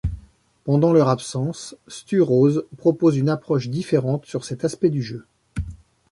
Pendant leur absence, Stu Rose propose une approche différente sur cet aspect du jeu.